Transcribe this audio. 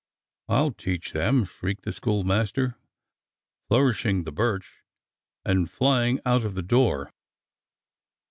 "I'll teach them!" shrieked the schoolmaster, flour ishing the birch and flying out of the door.